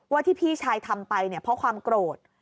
ที่พี่ชายทำไปเนี่ยเพราะความโกรธ